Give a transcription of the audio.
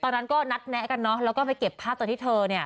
ตอนนั้นก็นัดแนะกันเนอะแล้วก็ไปเก็บภาพตอนที่เธอเนี่ย